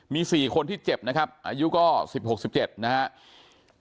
มีสี่คนที่เจ็บนะครับอายุก็สิบหกสิบเจ็ดนะฮะ